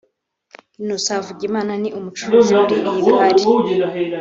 Innocent Havugimana ni umucuruzi muri iyi gare